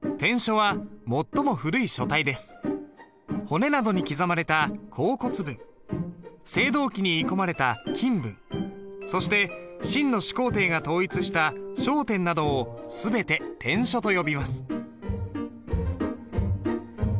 骨などに刻まれた甲骨文青銅器に鋳込まれた金文そして秦の始皇帝が統一した小篆などを全て篆書と呼びます。